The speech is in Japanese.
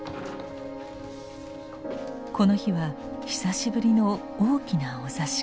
この日は久しぶりの大きなお座敷。